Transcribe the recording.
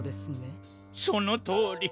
そのとおり。